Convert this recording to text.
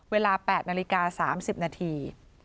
เวลา๘นาฬิกา๓๐นาที